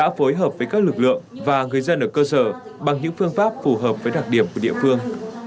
đã phối hợp với các lực lượng và người dân ở cơ sở bằng những phương pháp phù hợp với đặc điểm của địa phương